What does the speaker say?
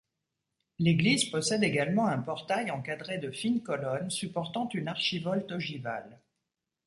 L'église possède également un portail encadré de fines colonnes supportant une archivolte ogivale.